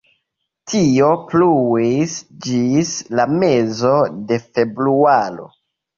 Tio pluis ĝis la mezo de februaro.